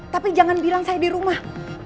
tapi jangan bilang saya di rumah